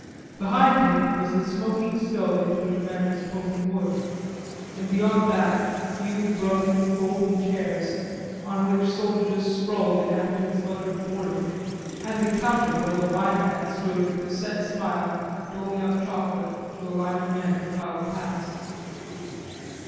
Behind him was the smoking stove into which a man was poking wood, and beyond that a few broken folding chairs on which soldiers sprawled in attitudes of utter boredom, and the counter where the "Y" man stood with a set smile doling out chocolate to a line of men that filed past.